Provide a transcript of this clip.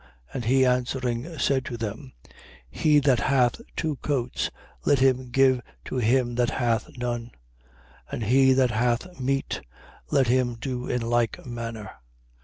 3:11. And he answering, said to them: He that hath two coats, let him give to him that hath none; and he that hath meat, let him do in like manner.